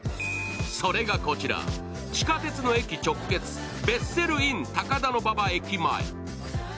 それがこちら、地下鉄の駅直結、ベッセルイン高田馬場駅前。